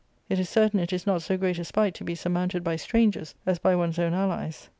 It is certain it is not so great a spite to be surmounted by •^ strangers as by one's own allies.